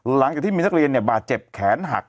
หลังจากที่มีนักเรียนบาดเจ็บแขนหัก